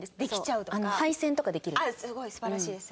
すごい素晴らしいです。